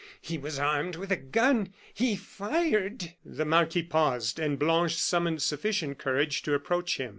He was armed with a gun; he fired " The marquis paused, and Blanche summoned sufficient courage to approach him.